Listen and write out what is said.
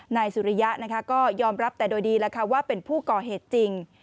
นายสุริยะก็ยอมรับแต่โดยดีแล้วว่าเป็นผู้ก่อเหตุจริง